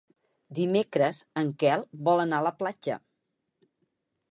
Dimecres en Quel vol anar a la platja.